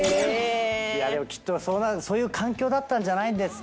でもきっとそういう環境だったんじゃないんですか。